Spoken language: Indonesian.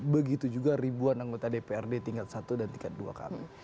begitu juga ribuan anggota dprd tingkat satu dan tingkat dua kami